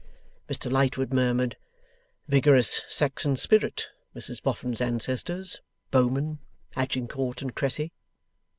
Mr Lightwood murmured 'Vigorous Saxon spirit Mrs Boffin's ancestors bowmen Agincourt and Cressy.